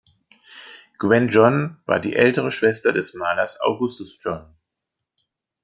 Gwen John war die ältere Schwester des Malers Augustus John.